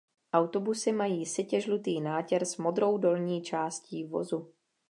Autobusy mají sytě žlutý nátěr s modrou dolní částí vozu.